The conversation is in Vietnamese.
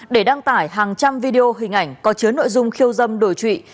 để đăng tải hàng trăm video hình ảnh có chứa nội dung khiêu dâm đổi trụy